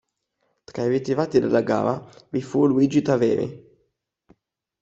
Tra i ritirati della gara vi fu Luigi Taveri.